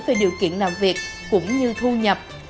về điều kiện làm việc cũng như thu nhập